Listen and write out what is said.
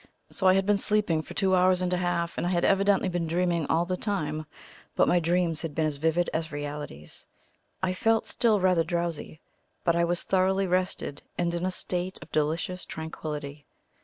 So I had been sleeping for two hours and a half, and I had evidently been dreaming all the time; but my dreams had been as vivid as realities. I felt still rather drowsy, but I was thoroughly rested and in a state of delicious tranquillity.